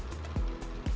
dari kepingan lego